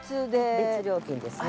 別料金ですね。